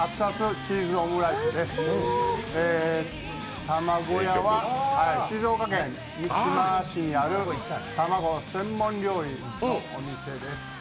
ＴＡＭＡＧＯＹＡは静岡県三島市にある卵専門料理のお店です。